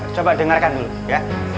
coba dengarkan dulu ya